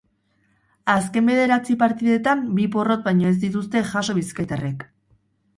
Azken bederatzi partidetan bi porrot baino ez dituzte jaso bizkaitarrek.